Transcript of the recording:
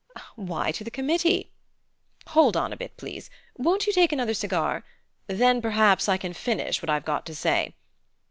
"Why to the committee. Hold on a bit, please. Won't you take another cigar? Then perhaps I can finish what I've got to say.